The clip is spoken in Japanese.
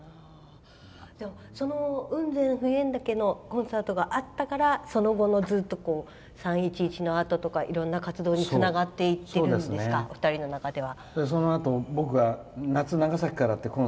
でも、雲仙・普賢岳のコンサートがあったからそのあとのずっと３・１１のあととかいろんな活動につながっているんですかお二人の中では。